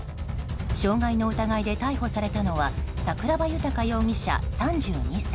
傷害の疑いで逮捕されたのは桜庭豊容疑者、３２歳。